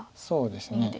そうですね。